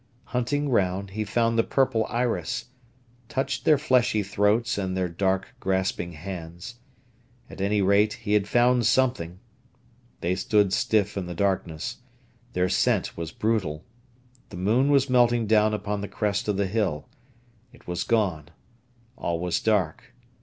Hunting round, he found the purple iris, touched their fleshy throats and their dark, grasping hands. At any rate, he had found something. They stood stiff in the darkness. Their scent was brutal. The moon was melting down upon the crest of the hill. It was gone; all was dark.